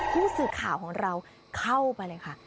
ผู้สื่อข่าวของเราเข้าไปเลยค่ะ